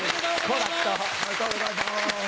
好楽さんおめでとうございます！